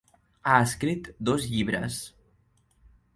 Ha escrit dos llibres.